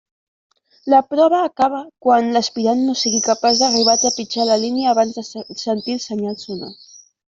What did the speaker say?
La prova acaba quan l'aspirant no sigui capaç d'arribar a trepitjar la línia abans de sentir el senyal sonor.